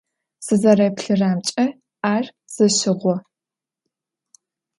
Сызэреплъырэмкӏэ ар зэщыгъо.